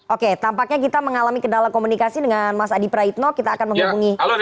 oke tampaknya kita mengalami kendala komunikasi dengan mas adi praitno kita akan menghubungi